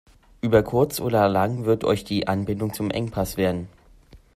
Über kurz oder lang wird euch die Anbindung zum Engpass werden.